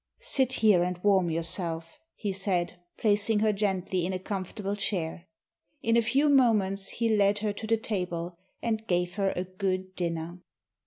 "Sit here and warm yourself," he said, placing her gently in a comfortable chair. In a few moments he led her to the table, and gave her a good dinner.